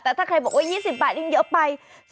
แต่ถ้าใครบอกว่า๒๐บาทยิ่งเยอะไป